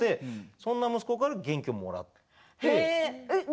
そんな息子から元気をもらっています。